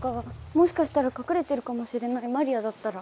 もしかしたらかくれてるかもしれないマリアだったら。